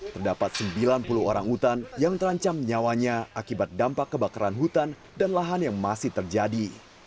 terdapat sembilan puluh orang hutan yang terancam nyawanya akibat dampak kebakaran hutan dan lahan yang masih terjadi